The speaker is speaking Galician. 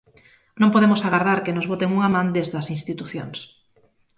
Non podemos agardar que nos boten unha man desde as institucións.